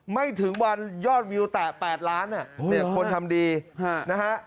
ไม่ถึงวันยอดวิวแตะ๘ล้านเนี่ยคนทำดีนะฮะ